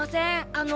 あの。